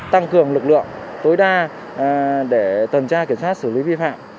tăng cường lực lượng tối đa để tuần tra kiểm soát xử lý vi phạm